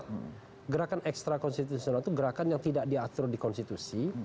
karena gerakan ekstra konstitusional itu gerakan yang tidak diatur di konstitusi